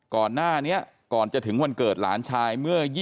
ก่อนหน้านี้ก่อนจะถึงวันเกิดหลานชายเมื่อ